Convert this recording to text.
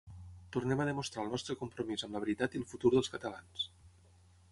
Tornem a demostrar el nostre compromís amb la veritat i el futur dels catalans.